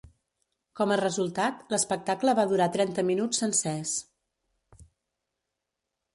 Com a resultat, l'espectacle va durar trenta minuts sencers.